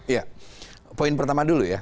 ya poin pertama dulu ya